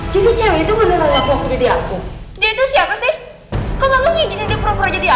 jadi cewek itu beneran waktu aku dia itu siapa sih